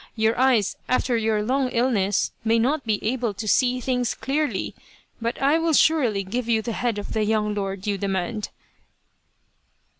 Your eyes, after your long illness, may not be able to see things clearly, but I will surely give you the head of the young lord you demand."